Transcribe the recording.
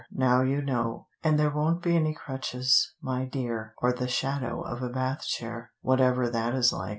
Now you know, and there won't be any crutches, my dear, or the shadow of a Bath chair, whatever that is like.